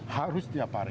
harus tiap hari